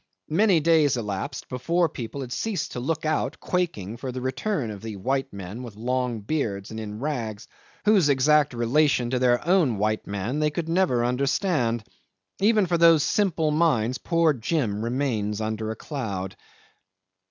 Many days elapsed before the people had ceased to look out, quaking, for the return of the white men with long beards and in rags, whose exact relation to their own white man they could never understand. Even for those simple minds poor Jim remains under a cloud.